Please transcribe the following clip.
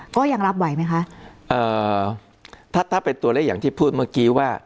ก็ยังรับไหวไหมคะเอ่อถ้าถ้าเป็นตัวเลขอย่างที่พูดเมื่อกี้ว่า